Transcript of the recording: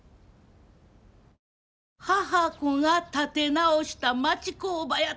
「母娘が立て直した町工場」やて。